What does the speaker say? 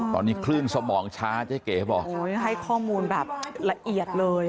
ตอนนี้คลื่นสมองช้าเจ๊เก๋บอกโอ้ยให้ข้อมูลแบบละเอียดเลย